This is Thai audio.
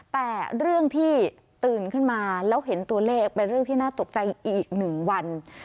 แต่เรื่องที่ตื่นขึ้นมาแล้วเห็นตัวเลขเป็นเรื่องที่น่าตกใจอีก๑วัน